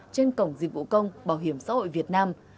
trên cổng dịch vụ công bảo hiểm xã hội việt nam